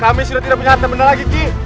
kami sudah tidak punya harta benda lagi ki